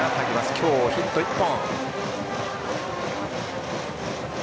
今日、ヒット１本。